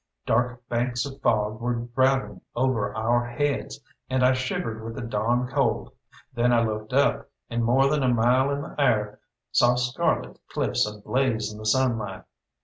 Dark banks of fog were driving over our heads, and I shivered with the dawn cold. Then I looked up, and more than a mile in the air saw scarlet cliffs ablaze in the sunlight.